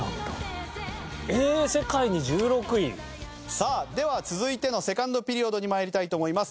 さあでは続いてのセカンドピリオドにまいりたいと思います。